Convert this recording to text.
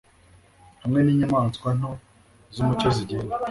hamwe ninyamaswa nto zumucyo zigenda